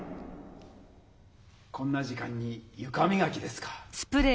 こんな時間にゆかみがきですか？